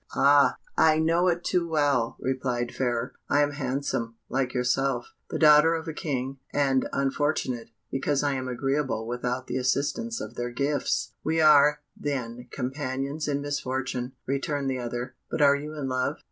"Ah! I know it too well," replied Fairer; "I am handsome, like yourself, the daughter of a King, and unfortunate, because I am agreeable without the assistance of their gifts." "We are, then, companions in misfortune," returned the other. "But are you in love?"